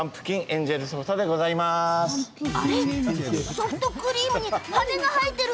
ソフトクリームに羽が生えてる！